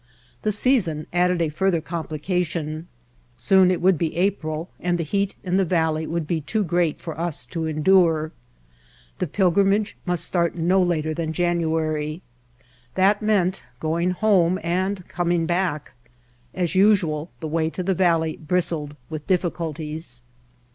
The season added a further complication. Soon it would be April and the heat in the valley would be too great for us to endure. The pilgrimage must start no later than January. That meant going home and coming back. As usual the way to the valley bristled with difficulties.